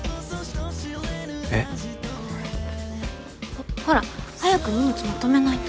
ほほら早く荷物まとめないと。